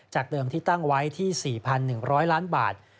เดิมที่ตั้งไว้ที่๔๑๐๐ล้านบาท